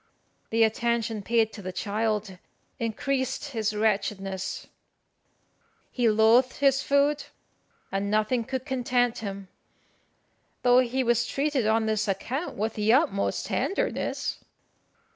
The attention paid to the child increased his wretchedness; he loathed his food, and nothing could content him, though he was treated on this account with the utmost tenderness.